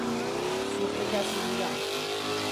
سوخته کسی بودن